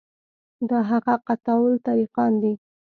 دا هغه قطاع الطریقان دي.